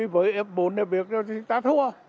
với bốn người việc rồi thì ta thua